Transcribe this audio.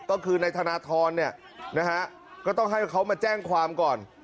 ก็คือนายธนทรเนี่ยนะฮะก็ต้องให้เขามาแจ้งความก่อน